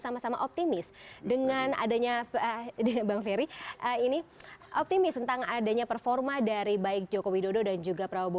sama sama optimis dengan adanya bang ferry ini optimis tentang adanya performa dari baik joko widodo dan juga prabowo